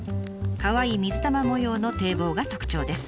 かわいい水玉模様の堤防が特徴です。